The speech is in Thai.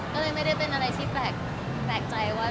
ก็เลยไม่ได้เป็นอะไรที่แปลกใจว่า